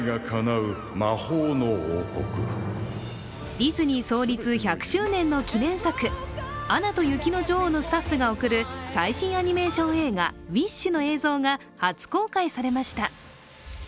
ディズニー創立１００周年の記念作、「アナと雪の女王」のスタッフが贈る最新アニメーション映画、「ウィッシュ」の映像が初公開されました。